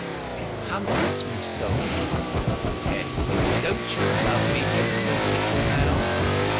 "It—hampers me so." "Tessy—don't you love me ever so little now?"